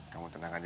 kamu tenang aja ya